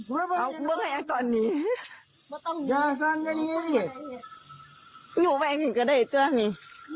ภรรยาเทศอ๋อบ้างไงตอนนี้อยู่แหวนกันก็ได้จ้านี่